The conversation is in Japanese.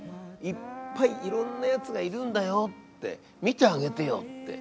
いっぱいいろんなやつがいるんだよって見てあげてよって。